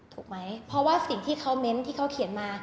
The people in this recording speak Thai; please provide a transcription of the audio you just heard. ถูกไหมเพราะว่าสิ่งที่เขาเม้นต์ที่เขาเขียนมา